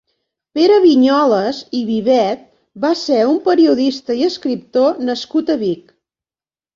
Pere Vinyoles i Vivet va ser un periodista i escriptor nascut a Vic.